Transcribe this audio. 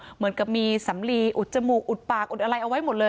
เหมือนกับมีสำลีอุดจมูกอุดปากอุดอะไรเอาไว้หมดเลย